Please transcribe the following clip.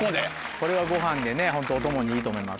これはごはんでねホントお供にいいと思います。